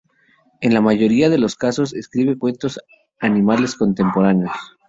En la mayoría de los casos escribe cuentos animales contemporáneos.